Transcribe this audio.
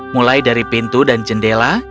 mulai dari pintu dan jendela